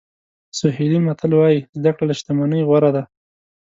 سوهیلي متل وایي زده کړه له شتمنۍ غوره ده.